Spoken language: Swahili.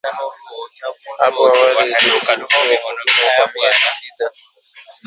Hapo awali ilikusudia kudumu kwa miezi sita